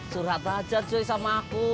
curhat aja joy sama aku